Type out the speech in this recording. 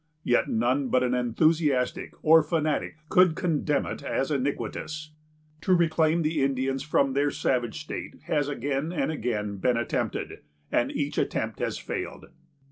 Yet none but an enthusiast or fanatic could condemn it as iniquitous. To reclaim the Indians from their savage state has again and again been attempted, and each attempt has failed.